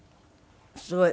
すごい。